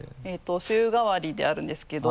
週替わりであるんですけど。